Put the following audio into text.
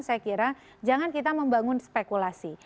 saya kira jangan kita membangun spekulasi